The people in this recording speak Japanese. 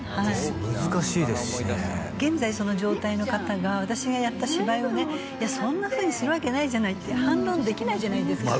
難しいですしね現在その状態の方が私がやった芝居をね「そんなふうにするわけないじゃない」って反論できないじゃないですか